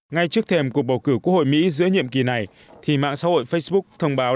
ngay trước thềm cuộc bầu cử quốc hội mỹ giữa nhiệm kỳ này thì mạng xã hội facebook thông báo